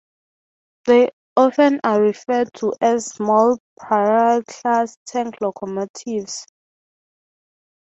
They often are referred to as "Small Prairie Class" tank locomotives.